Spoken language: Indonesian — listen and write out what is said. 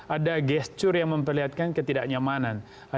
ada gesture yang memperlihatkan ketidaknyamanan